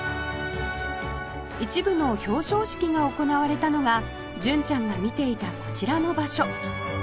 一部の表彰式が行われたのが純ちゃんが見ていたこちらの場所